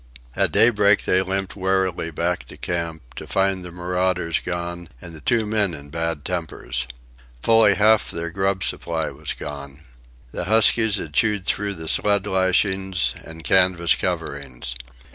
At daybreak they limped warily back to camp, to find the marauders gone and the two men in bad tempers. Fully half their grub supply was gone. The huskies had chewed through the sled lashings and canvas coverings.